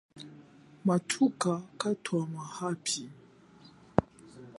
Mathuka katwama api.